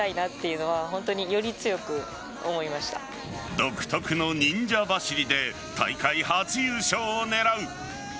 独特の忍者走りで大会初優勝を狙う。